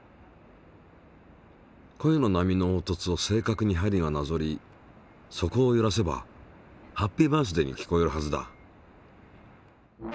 声の波のおうとつを正確に針がなぞり底をゆらせばハッピーバースディに聞こえるはずだ。